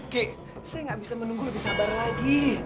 gek saya nggak bisa menunggu lebih sabar lagi